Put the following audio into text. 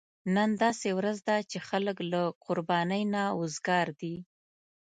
نن داسې ورځ ده چې خلک له قربانۍ نه وزګار دي.